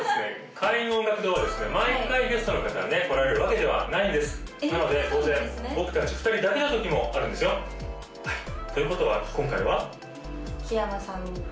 開運音楽堂はですね毎回ゲストの方がね来られるわけではないんですなので当然僕達２人だけの時もあるんですよはいということは今回は木山さんが？